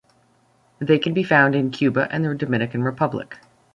They can be found in Cuba and the Dominican Republic.